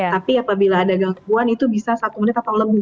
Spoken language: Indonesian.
tapi apabila ada gangguan itu bisa satu menit atau lebih